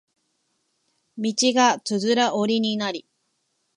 道がつづら折りになり